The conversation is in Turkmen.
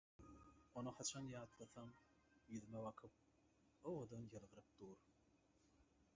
ony haçan ýatlasam, ýüzüme bakyp, owadan ýylgyryp dur.